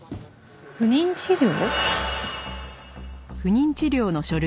不妊治療？